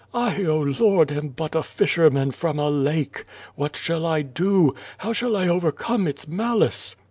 I, oh. Lord, am but a fisherman from a lake. What shall I do? How shall I overcome its malice?"